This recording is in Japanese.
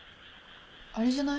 あれじゃない？